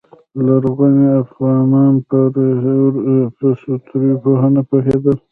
لرغوني افغانان په ستورپوهنه پوهیدل